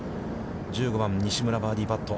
１５番、西村、バーディーパット。